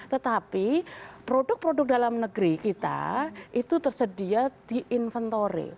tetapi produk produk dalam negeri kita itu tersedia di inventory